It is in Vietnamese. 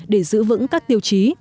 để giữ vững các tiêu chí